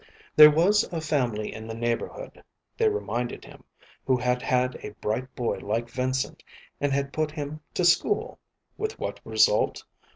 There was a family in the neighborhood, they reminded him, who had had a bright boy like Vincent, and had put him to school with what result?